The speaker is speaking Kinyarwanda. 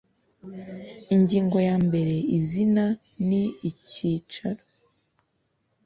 Ingingo ya mbere izina n icyicaro